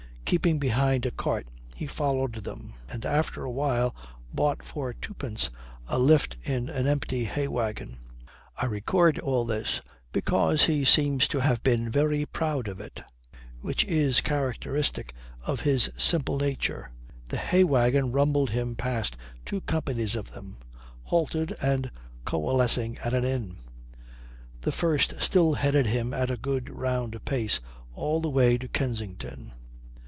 Keeping behind a cart he followed them, and after a while bought for twopence a lift in an empty hay wagon. I record all this because he seems to have been very proud of it, which is characteristic of his simple nature. The hay wagon rumbled him past two companies of them halted and coalescing at an inn. The first still headed him at a good round pace all the way to Kensington.